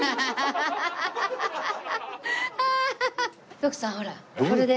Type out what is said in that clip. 徳さんほらこれで。